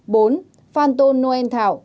bốn phan tôn noel thảo